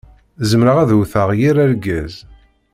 Zemreɣ ad wwteɣ yir argaz.